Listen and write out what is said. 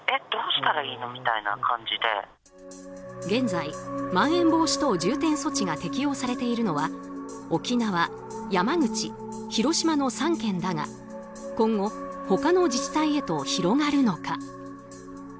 現在、まん延防止等重点措置が適用されているのは沖縄、山口、広島の３県だが今後、他の自治体へと広がるのか。